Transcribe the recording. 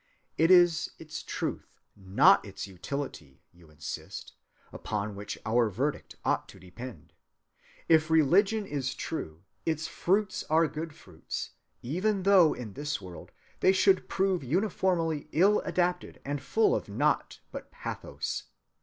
It is its truth, not its utility, you insist, upon which our verdict ought to depend. If religion is true, its fruits are good fruits, even though in this world they should prove uniformly ill adapted and full of naught but pathos.